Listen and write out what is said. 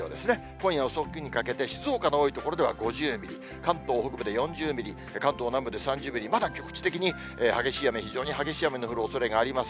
今夜遅くにかけて、静岡の多い所では５０ミリ、関東北部で４０ミリ、関東南部で３０ミリ、まだ局地的に激しい雨、非常に激しい雨の降るおそれがあります。